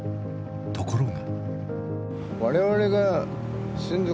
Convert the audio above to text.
ところが。